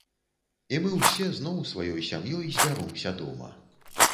І мы ўсе зноў сваёй сям'ёй збяромся дома.